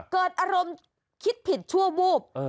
เกิดอารมณ์คิดผิดชั่ววูบ